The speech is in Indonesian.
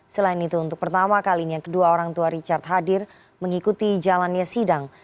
selain itu untuk pertama kalinya kedua orang tua richard hadir mengikuti jalannya sidang